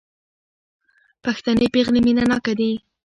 پښتنې پېغلې مينه ناکه دي